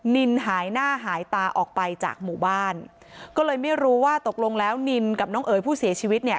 นินหายหน้าหายตาออกไปจากหมู่บ้านก็เลยไม่รู้ว่าตกลงแล้วนินกับน้องเอ๋ยผู้เสียชีวิตเนี่ย